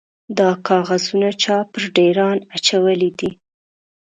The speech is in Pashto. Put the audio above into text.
_دا کاغذونه چا پر ډېران اچولي دي؟